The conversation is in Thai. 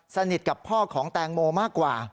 สนิทกับพ่อของแตงโมมากกว่า